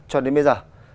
cho đến bây giờ